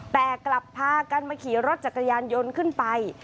แต่กลับพากันมาขี่รถจักรยานยนต์ขึ้นไป